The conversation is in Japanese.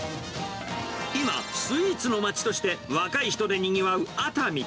今、スイーツの街として若い人でにぎわう熱海。